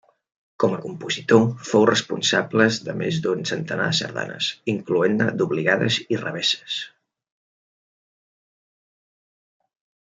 Com a compositor fou responsables de més d'un centenar de sardanes, incloent-ne d'obligades i revesses.